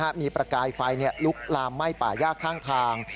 เพราะมีประกายไฟลุกลามไหม้ป่าย่ากข้าง